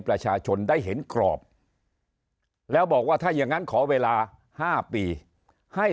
ประชาชนได้เห็นกรอบแล้วบอกว่าถ้าอย่างนั้นขอเวลา๕ปีให้